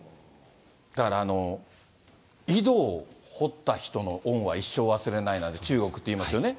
だから、井戸を掘った人の恩は一生忘れないなんて、中国っていいますよね。